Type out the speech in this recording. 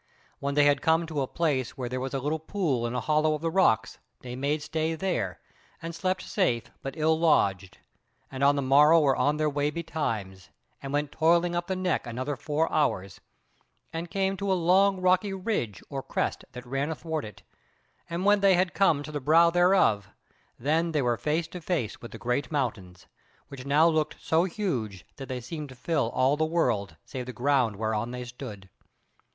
When they had come to a place where there was a little pool in a hollow of the rocks they made stay there, and slept safe, but ill lodged, and on the morrow were on their way betimes, and went toiling up the neck another four hours, and came to a long rocky ridge or crest that ran athwart it; and when they had come to the brow thereof, then were they face to face with the Great Mountains, which now looked so huge that they seemed to fill all the world save the ground whereon they stood.